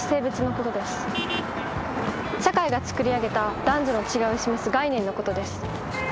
社会が作り上げた男女の違いを示す概念のことです。